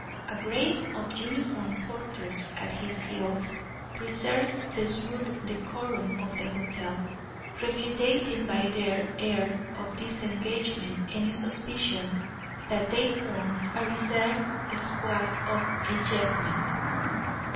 A brace of uniformed porters at his heels preserved the smooth decorum of the hotel, repudiating by their air of disengagement any suspicion that they formed a reserve squad of ejectment.